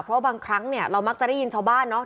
เพราะบางครั้งเนี่ยเรามักจะได้ยินชาวบ้านเนอะ